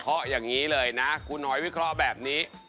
เพราะอย่างนี้เลยนะครูน้อยวิเคราะห์แบบนี้